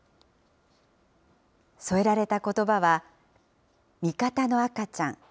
添えられたことばは、みかたのあかちゃん。